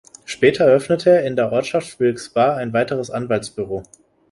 Später eröffnete er in der Ortschaft Wilkes-Barre ein weiteres Anwaltsbüro.